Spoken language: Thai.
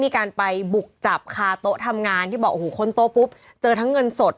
มีการไปบุกจับคาโต๊ะทำงานที่บอกโอ้โหค้นโต๊ะปุ๊บเจอทั้งเงินสด